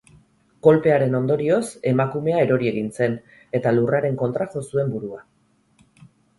Kolpearen ondorioz, emakumea erori egin zen eta lurraren kontra jo zuen burua.